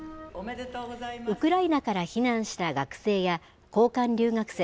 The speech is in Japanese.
ウクライナから避難した学生や交換留学生